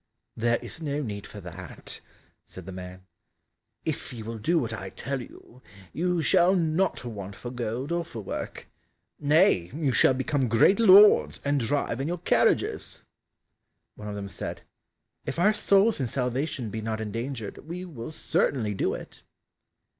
"There is no need for that," said the man, "if you will do what I tell you, you shall not want for gold or for work; nay, you shall become great lords, and drive in your carriages!" One of them said, "If our souls and salvation be not endangered, we will certainly do it."